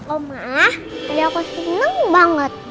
oma hari aku seneng banget